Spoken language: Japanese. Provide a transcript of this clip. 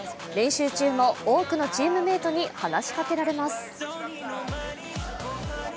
練習中も、多くのチームメイトに話しかけられます。